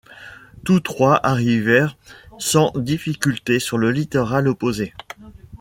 Tous trois arrivèrent sans difficulté sur le littoral opposé.